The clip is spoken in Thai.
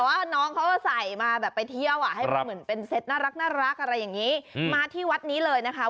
ว่าน้องเขาใส่มาแบบไปเที่ยวอ่ะให้มันเหมือนเป็นเซตน่ารักอะไรอย่างนี้มาที่วัดนี้เลยนะคะ